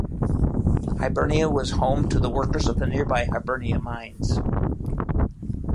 Hibernia was home to the workers of the nearby Hibernia mines.